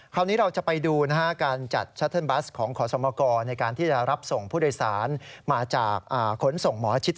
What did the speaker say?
คราวนี้เราจะไปดูนะฮะการจัดชัตเทิร์นบัสของขอสมกรในการที่จะรับส่งผู้โดยสารมาจากขนส่งหมอชิด